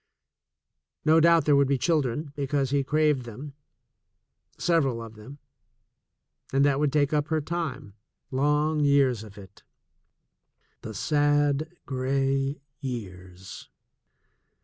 No doubt there would be children, because he craved them — several of them — and that would take up her time, long years of it — the sad, gray years